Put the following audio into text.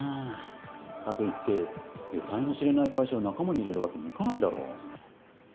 かといってえたいの知れない会社を仲間に入れるわけにいかないだろ。